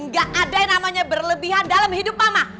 gak ada yang namanya berlebihan dalam hidup mama